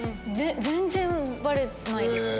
全然バレてないですね。